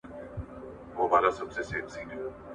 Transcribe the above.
ایا مسلکي بڼوال انځر پروسس کوي؟